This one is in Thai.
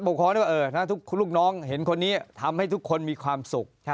ก็ปกครองเลยว่าเออนะครับทุกลูกน้องเห็นคนนี้ทำให้ทุกคนมีความสุข